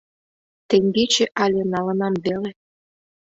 Теҥгече але налынам веле.